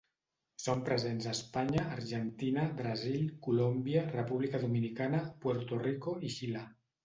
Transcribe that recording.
Són presents a Espanya, Argentina, Brasil, Colòmbia, República Dominicana, Puerto Rico i Xile.